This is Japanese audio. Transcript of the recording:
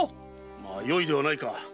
まあよいではないか。